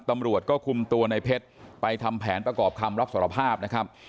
ตำรวจก็คุมตัวในเพชรไปทำแผนประกอบคำรับสารภาพนะครับ